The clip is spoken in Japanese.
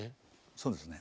そうですね。